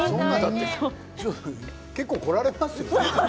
結構、来られてますよね